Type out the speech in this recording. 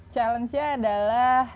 challenge nya adalah